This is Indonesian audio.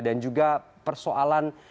dan juga persoalan